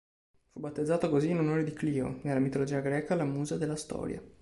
Fu battezzato così in onore di Clio, nella mitologia greca la musa della Storia.